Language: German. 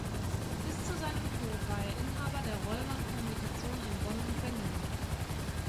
Bis zu seinem Tod war er Inhaber der Rollmann Kommunikation in Bonn und Berlin.